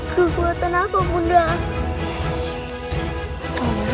kekuatan apa bunda